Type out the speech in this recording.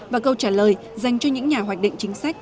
và câu trả lời dành cho những nhà hoạch định chính sách